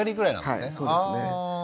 はいそうですね。